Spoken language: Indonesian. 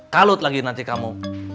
kalut lagi nanti kamu